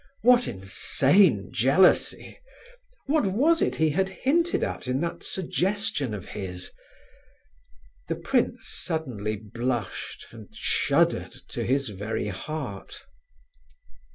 What insane jealousy! What was it he had hinted at in that suggestion of his? The prince suddenly blushed, and shuddered to his very heart.